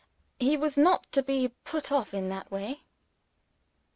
He was not to be put off in that way.